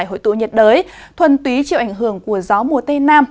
hội tụ nhiệt đới thuần túy chịu ảnh hưởng của gió mùa tây nam